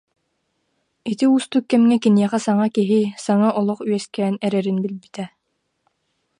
Ити уустук кэмҥэ киниэхэ саҥа киһи, саҥа олох үөскээн эрэрин билбитэ